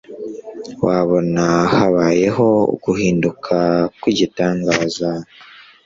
babona habayeho uguhinduka kw'igitangaza.